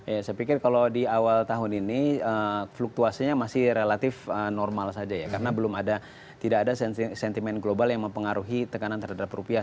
ya saya pikir kalau di awal tahun ini fluktuasinya masih relatif normal saja ya karena belum ada tidak ada sentimen global yang mempengaruhi tekanan terhadap rupiah